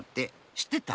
しってた？